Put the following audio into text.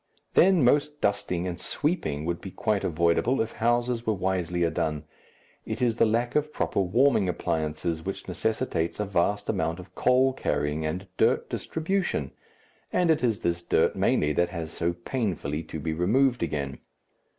Then most dusting and sweeping would be quite avoidable if houses were wiselier done. It is the lack of proper warming appliances which necessitates a vast amount of coal carrying and dirt distribution, and it is this dirt mainly that has so painfully to be removed again.